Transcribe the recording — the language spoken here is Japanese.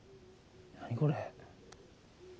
何これ。